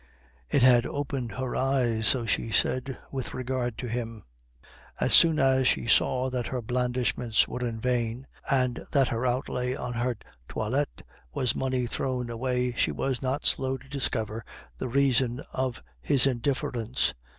It had opened her eyes, so she said, with regard to him. As soon as she saw that her blandishments were in vain, and that her outlay on her toilette was money thrown away, she was not slow to discover the reason of his indifference.